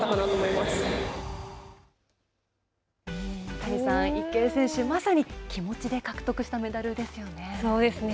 谷さん、池江選手、まさに気持ちで獲得したそうですね。